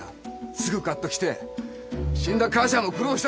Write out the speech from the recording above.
すぐカッときて死んだ母ちゃんも苦労したさ。